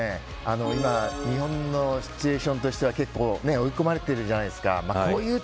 今、日本のシチュエーションとしては結構追い込まれてるじゃないですか。